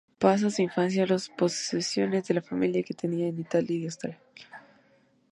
Pasa su infancia en las posesiones que la familia tenía en Italia y Austria.